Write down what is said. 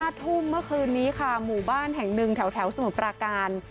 ทุ่มเมื่อคืนนี้ค่ะหมู่บ้านแห่งหนึ่งแถวแถวสมุทรปราการ